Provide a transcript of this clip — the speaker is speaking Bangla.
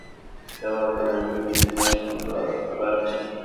এই অজানা বস্তুর কিছু স্যাম্পল ব্যবহার করে এর বিরুদ্ধে তিনি রাসায়নিক অস্ত্র বানাচ্ছেন।